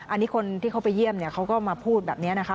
อันนี้คนที่เขาไปเยี่ยมเนี่ยเขาก็มาพูดแบบนี้นะคะ